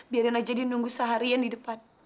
biarin aja dia nunggu seharian di depan